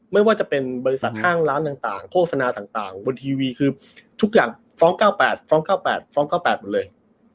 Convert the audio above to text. ไม่ว่าจะเป็นบริษัทห้างร้านต่างโฆษณาต่างบนทีวีคือทุกอย่างฟ้อง๙๘ฟ้อง๙๘ฟ้อง๙๘หมดเลย